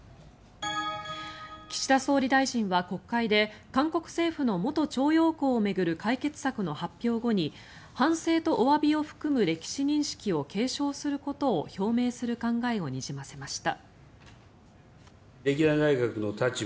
岸田総理大臣は国会で韓国政府の元徴用工を巡る解決策の発表後に反省とおわびを含む歴史認識を継承することを表明する考えをにじませました。